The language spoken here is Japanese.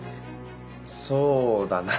そうだな。